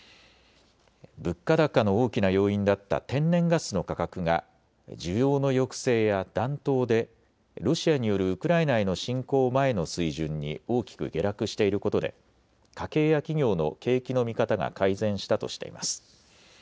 物価高の大きな要因だった天然ガスの価格が需要の抑制や暖冬でロシアによるウクライナへの侵攻前の水準に大きく下落していることで家計や企業の景気の見方が改善したとしています。